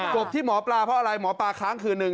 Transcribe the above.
บที่หมอปลาเพราะอะไรหมอปลาค้างคืนหนึ่ง